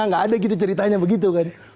gak ada ceritanya begitu kan